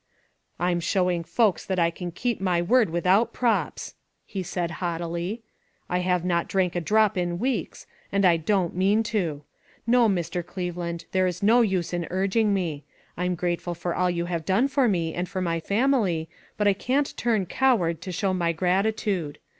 *' I'm showing folks that I can keep my word without props,'" he said haughtily; "I have not drank a drop in weeks, and I don't mean to. No, Mr. Cleveland, there is no use in urging me. I'm grateful for all you have done for me, and for my family, but I can't turn coward to show my grati tude.